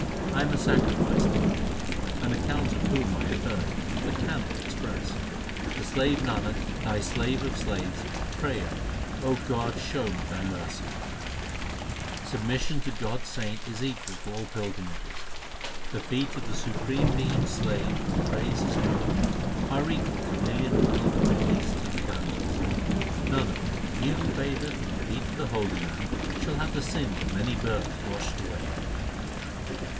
1 am a sacrifice to God, an account of whom I have heard, but cannot express. The slave Nanak, Thy slave of slaves, prayeth O God, show me Thy mercy ! Submission to God s saint is equal to all pilgrim ages : The feet of the Supreme Being s slave whose praise is pure, are equal to millions of pilgrimages to the Ganges. Nanak, he who batheth in the feet of the holy man shall have the sins of many births washed away.